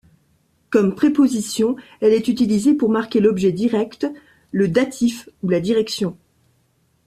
Comme préposition, elle est utilisée pour marquer l'objet direct, le datif ou la direction.